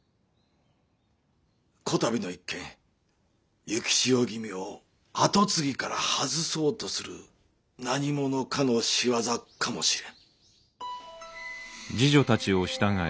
こたびの一件幸千代君を跡継ぎから外そうとする何者かの仕業かもしれん。